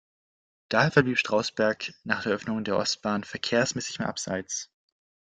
Daher verblieb Strausberg nach der Eröffnung der Ostbahn verkehrsmäßig im Abseits.